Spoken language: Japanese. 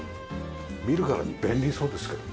見るからに便利そうですけどね。